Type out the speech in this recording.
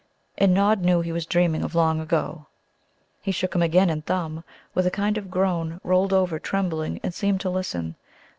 And Nod knew he was dreaming of long ago. He shook him again, and Thumb, with a kind of groan, rolled over, trembling, and seemed to listen.